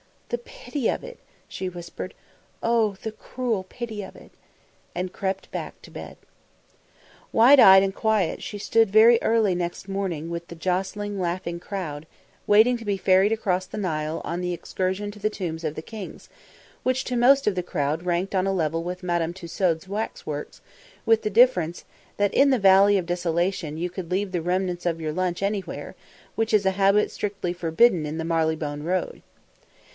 "The pity of it!" she whispered. "Oh! the cruel pity of it!" and crept back to bed. Wide eyed and quiet, she stood very early next morning with the jostling, laughing crowd, waiting to be ferried across the Nile on the excursion to the Tombs of the Kings, which to most of the crowd ranked on a level with Madame Tussaud's Waxworks, with the difference that in the valley of desolation you could leave the remnants of your lunch anywhere, which is a habit strictly forbidden in the Marylebone Road.